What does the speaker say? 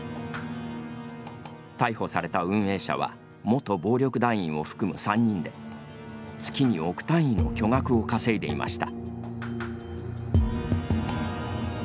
逮捕された運営者は元暴力団員を含む３人で月に億単位の巨額を稼いでいました。